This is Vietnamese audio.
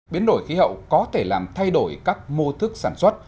biến đổi khí hậu có thể làm thay đổi các mô thức sản xuất